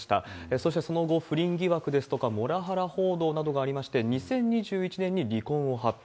そしてその後、不倫疑惑ですとか、モラハラ報道などがありまして、２０２１年に離婚を発表。